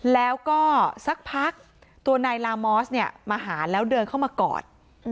แล้วก็สักพักตัวนายลามอสเนี่ยมาหาแล้วเดินเข้ามากอด